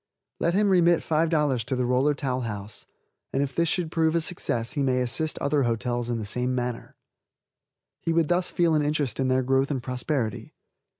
Let him remit $5 to the Roller Towel House, and if this should prove a success he may assist other hotels in the same manner. He would thus feel an interest in their growth and prosperity.